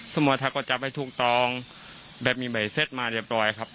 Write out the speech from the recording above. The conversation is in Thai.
สมมติถ้าก็จะไม่ถูกตรงแบบมีใบเซ็ตมาเรียบร้อยครับ